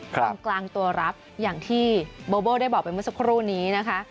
ตรงกลางตัวรับอย่างที่โบโบ้ได้บอกไปเมื่อสักครู่นี้นะคะ